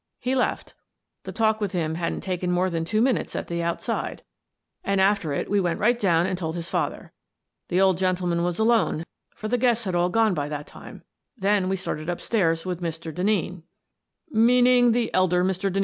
" He left The talk with him hadn't taken more than two minutes at the outside, and after it we The Inquest 171 went right down and told his father. The old gen tleman was alone, for the guests had all gone by that time. Then we started up stairs with Mr. Den neen —"" Meaning the elder Mr. Denneen?